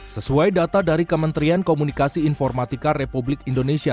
sesuai data dari kementerian komunikasi informatika republik indonesia